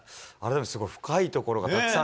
深いところがたくさん。